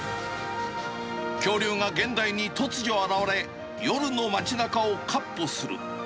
恐竜が現代に突如現れ、夜の街なかをかっ歩する。